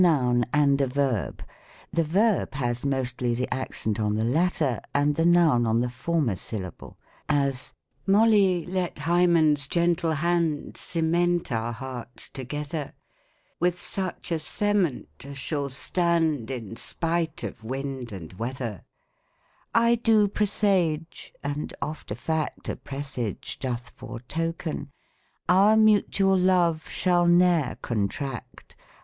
noun and a verb, the verb has mostly the accent on the latter, and the noun on the former syllable : as, " Molly, let Hymen's gentle hand Cement our hearts together. With such a cement as shall stand In spite of wind and weather. " I do pres'ige — and oft a fact A presage doth foretoken — Our mutual love shall ne'er contract.